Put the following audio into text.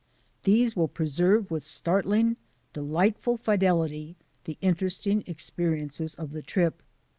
These will preserve with startling, delightful fidelity the interesting expe riences of the trip.